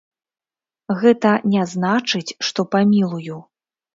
Гэта не значыць, што памілую.